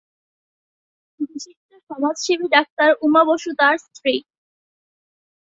বিশিষ্ট সমাজসেবী ডাক্তার উমা বসু তার স্ত্রী।